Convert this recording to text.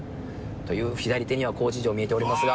という左手には高知城見えておりますが。